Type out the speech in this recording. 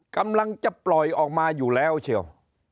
กำลังจะปล่อยออกมาอยู่แล้วเชียว